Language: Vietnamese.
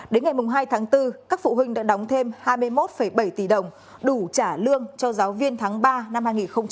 đến ngày hai tháng bốn các phụ huynh đã đóng thêm hai mươi một bảy tỷ đồng đủ trả lương cho giáo viên tháng ba năm hai nghìn hai mươi